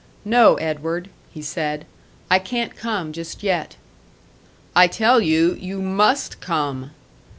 "No, Edward," he said. "I can't come just yet." "I tell you you must come!"